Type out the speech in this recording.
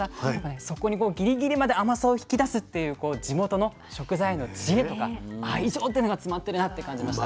そこにギリギリまで甘さを引き出すっていう地元の食材への知恵とか愛情というのが詰まってるなって感じました。